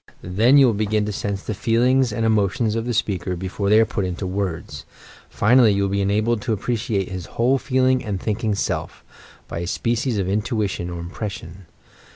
Then you will begin to sense the feelings and emotions of the spealser before they are put into words; Jinally you will be enabled to appreciate hia whole feel ing and thinking Self, — by a species of intuition or im pression.